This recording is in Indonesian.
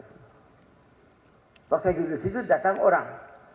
kalau saya di situ datang orang